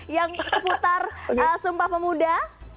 yang seputar sumpah pemuda